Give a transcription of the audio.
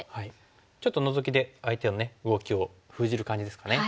ちょっとノゾキで相手の動きを封じる感じですかね。